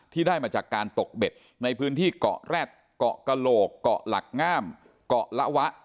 ที่ได้มาจากการตกเบ็ดในพื้นที่เกาะแร็ดเกาะกระโหลกเกาะหลักงามเกาะละวะ